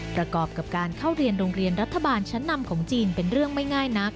ประกอบกับการเข้าเรียนโรงเรียนรัฐบาลชั้นนำของจีนเป็นเรื่องไม่ง่ายนัก